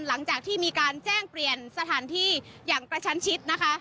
หลังจากที่มีการแจ้งเปลี่ยนสถานที่อย่างกระชันชิดนะคะ